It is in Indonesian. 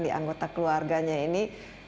di anggota keluarganya ini